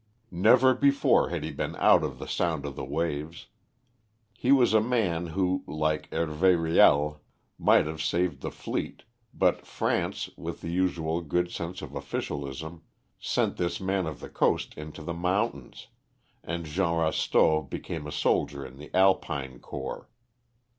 Never before had he been out of sound of the waves. He was a man who, like Hervé Riel, might have saved the fleet, but France, with the usual good sense of officialism, sent this man of the coast into the mountains, and Jean Rasteaux became a soldier in the Alpine Corps.